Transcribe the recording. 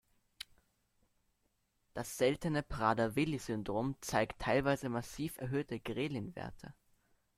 Das seltene Prader-Willi-Syndrom zeigt teilweise massiv erhöhte Ghrelin-Werte.